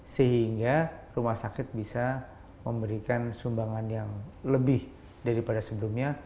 sehingga rumah sakit bisa memberikan sumbangan yang lebih daripada sebelumnya